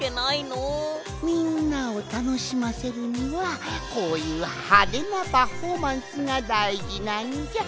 みんなをたのしませるにはこういうハデなパフォーマンスがだいじなんじゃ。